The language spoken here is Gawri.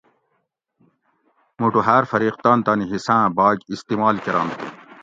موٹو ھاۤر فریق تان تانی حصاۤں بھاگ استعمال کرنت